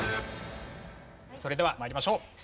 それでは参りましょう。